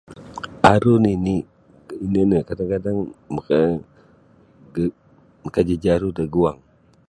Aru nini ini nio kadang-kadang maka jaj maka jajaru da guang.